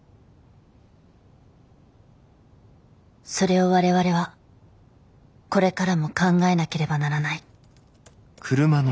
それを我々はこれからも考えなければならない。